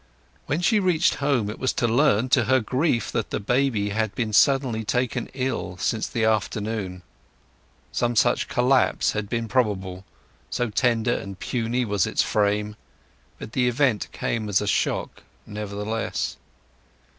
When she reached home it was to learn to her grief that the baby had been suddenly taken ill since the afternoon. Some such collapse had been probable, so tender and puny was its frame; but the event came as a shock nevertheless.